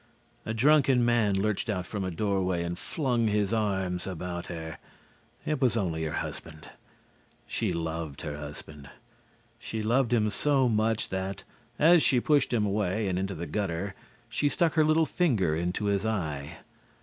A drunken man lurched out from a door way and flung his arms about her. It was only her husband. She loved her husband. She loved him so much that, as she pushed him away and into the gutter, she stuck her little finger into his eye.